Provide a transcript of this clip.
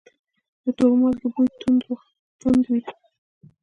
د تور مالګې بوی توند وي.